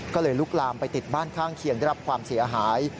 ก็เลยลุกลามไปติดบ้านข้างเคียงได้รับความเสียหาย